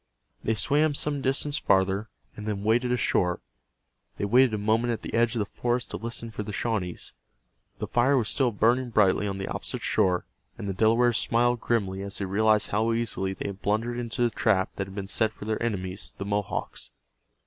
They swam some distance farther, and then waded ashore. They waited a moment at the edge of the forest to listen for the Shawnees. The fire was still burning brightly on the opposite shore, and the Delawares smiled grimly as they realized how easily they had blundered into the trap that had been set for their enemies, the Mohawks.